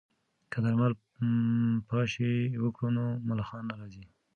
که درمل پاشي وکړو نو ملخان نه راځي.